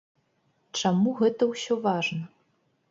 Чаму гэта ўсё важна?